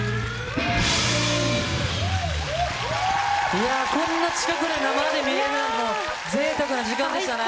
いやー、こんな近くで生で見れるんだ、ぜいたくな時間でしたね。